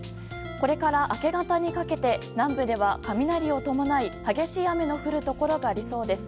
これから明け方にかけて南部では雷を伴い激しい雨の降るところがありそうです。